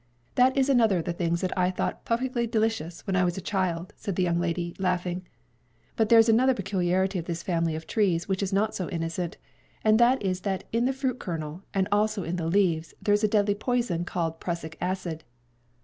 "That is another of the things that I thought 'puffickly d'licious' when I was a child," said the young lady, laughing. "But there is another peculiarity of this family of trees which is not so innocent, and that is that in the fruit kernel, and also in the leaves, there is a deadly poison called prussic acid."